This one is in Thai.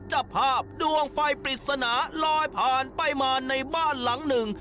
จับภาพดวงไฟปริศนาลอยผ่านไปมาในบ้านหลังหนึ่ง